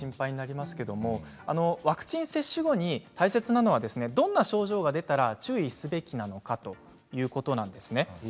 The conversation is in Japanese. ワクチン接種後に大切なのはどんな症状が出たら注意すべきなのかということなんです。